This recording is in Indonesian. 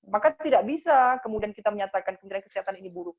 maka tidak bisa kemudian kita menyatakan kementerian kesehatan ini buruk